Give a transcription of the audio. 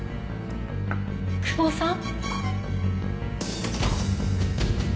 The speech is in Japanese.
久保さん？